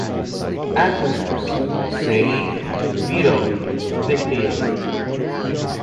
Antonyms: "say", "veto", "dictator".